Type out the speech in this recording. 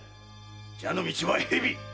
「蛇の道は蛇」！